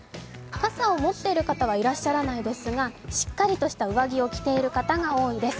傘を持っている方はいらっしゃらないですが、しっかりとした上着を着ている方が多いです。